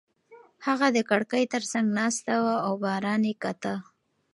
هغه د کړکۍ تر څنګ ناسته وه او باران یې کاته.